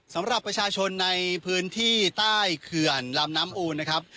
สำหรับประชาชนในพื้นที่ใต้เขื่อนลำน้ำอูนนะครับ